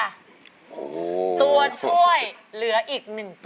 ตัวช่วยเหลืออีก๑ตัว